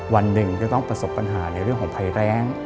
วันหนึ่งจะต้องประสบปัญหาในเรื่องของภัยแรง